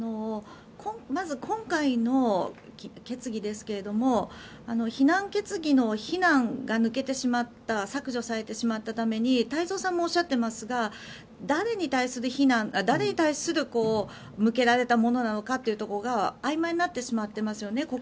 まず今回の決議ですが非難決議の非難が抜けてしまった削除されてしまったために太蔵さんもおっしゃっていますが誰に対して向けられたものなのかというのがあいまいになってしまってますよね。